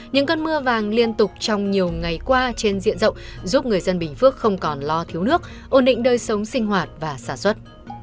những cơn mưa vàng liên tục trong nhiều ngày qua trên diện rộng giúp người dân bình phước không còn lo thiếu nước ổn định đời sống sinh hoạt và sản xuất